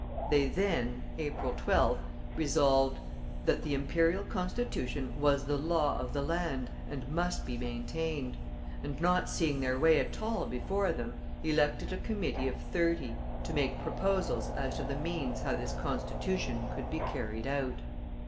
They then (April 12th) resolved: That the Imperial Constitution was the law of the land, and must be maintained; and not seeing their way at all before them, elected a Committee of thirty, to make proposals as to the means how this Constitution could be carried out.